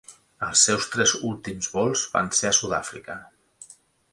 Els seus tres últims vols van ser a Sud-àfrica.